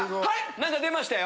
何か出ました？